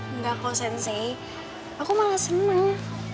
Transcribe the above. enggak kok sensei aku malah seneng